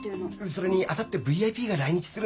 それにあさってＶＩＰが来日するんだよねぇ。